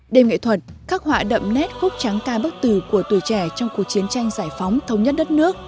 đêm nghệ thuật khắc họa đậm nét khúc tráng ca bức tử của tuổi trẻ trong cuộc chiến tranh giải phóng thống nhất đất nước